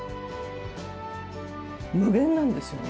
無限なんですよね。